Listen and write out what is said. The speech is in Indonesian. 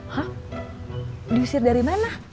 hah diusir dari mana